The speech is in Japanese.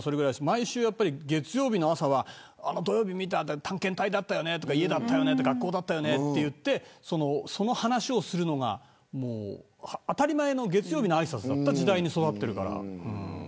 毎週月曜日の朝は土曜日見た探検隊だったよねとか家だったよねとか学校だったよねといってその話をするのが当たり前の月曜日のあいさつだった時代に育ってるから。